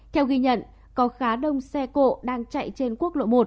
theo ghi nhận có khá đông xe cộ đang chạy trên quốc lộ một